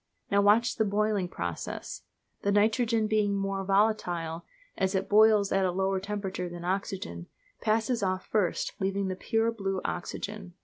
Now watch the boiling process. The nitrogen being more volatile as it boils at a lower temperature than oxygen passes off first, leaving the pure, blue oxygen.